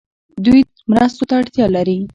دوی مرستو ته اړتیا لري.